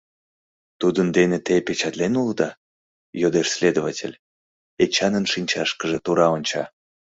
Тудын дене те печатлен улыда? — йодеш следователь, Эчанын шинчашкыже тура онча.